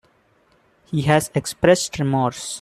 He has expressed remorse.